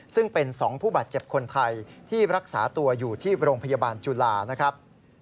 ซึ่งเป็น๒ผู้บาดเจ็บคนไทยที่รักษาตัวอยู่ที่โรงพยาบาลจุฬานะครับ